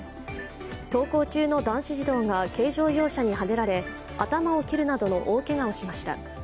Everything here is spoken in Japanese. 登校中の男子児童が軽乗用車にはねられ頭を切るなどの大けがをしました。